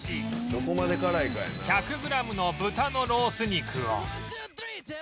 １００グラムの豚のロース肉を